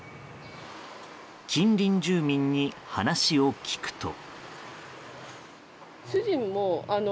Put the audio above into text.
近隣住民に話を聞くと。